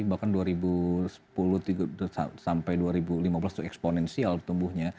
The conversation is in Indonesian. bahkan dua ribu sepuluh sampai dua ribu lima belas itu eksponensial tumbuhnya